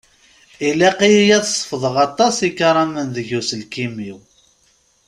Ilaq-iyi ad sefḍeɣ aṭas ikaramen deg uselkim-iw.